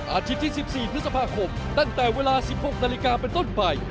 อาทิตย์ที่๑๔นคตั้งแต่เวลา๑๖นเป็นต้นไป